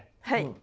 はい。